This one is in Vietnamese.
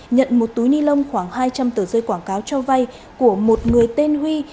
nhận một túi ni lông khoảng hai trăm linh tờ rơi quảng cáo cho vay của một người tên huy